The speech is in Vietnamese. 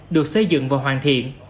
được xây dựng và hoàn thiện